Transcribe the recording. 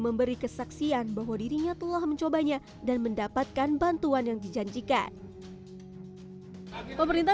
memberi kesaksian bahwa dirinya telah mencobanya dan mendapatkan bantuan yang dijanjikan pemerintah